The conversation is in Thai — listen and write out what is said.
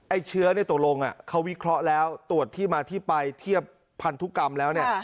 เชื้อตกลงเขาวิเคราะห์แล้วตรวจที่มาที่ไปเทียบพันธุกรรมแล้วเนี่ย